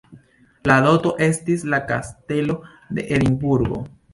La doto estis la Kastelo de Edinburgo.